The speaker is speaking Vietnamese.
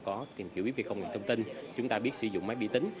có kiểm kiểm viết về không gian thông tin chúng ta biết sử dụng máy bi tính